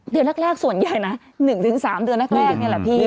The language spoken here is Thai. เดือนแรกส่วนใหญ่นะ๑๓เดือนแรกนี่แหละพี่